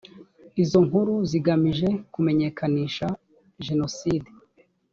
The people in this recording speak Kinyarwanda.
izo nkuru zigamije kumenyekanisha jenoside.